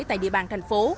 tại địa bàn thành phố